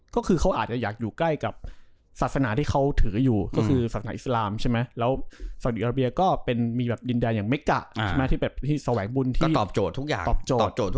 ก็คือเขาอาจอยากอยู่ใกล้กับศาสนาที่เขาถืออยู่